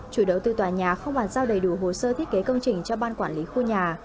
chủ đầu tư tòa nhà không bàn giao đầy đủ hồ sơ thiết kế công trình cho ban quản lý khu nhà